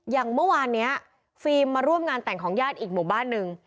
อย่างเมื่อวานนี้ฟิล์มมาร่วมงานแต่งของญาติอีกหมู่บ้านหนึ่ง